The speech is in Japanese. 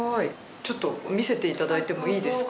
ちょっと見せていただいてもいいですか？